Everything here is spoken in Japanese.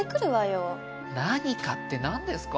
何かってなんですか？